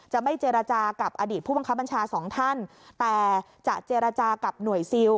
จะไม่เจรจากับอดีตผู้บังคับบัญชาสองท่านแต่จะเจรจากับหน่วยซิล